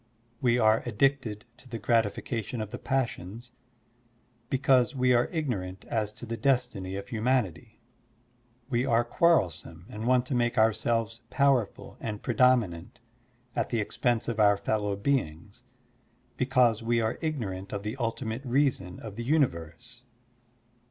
We are addicted to the gratification of the passions, because we are ignorant as to the destiny of htmianity. We are quarrelsome and want to make ourselves powerful and predominant at the expense of our fellow beings, because we are ignorant of the ultimate reason of the universe.